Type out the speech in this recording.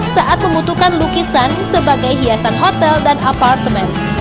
lakukan lukisan sebagai hiasan hotel dan apartemen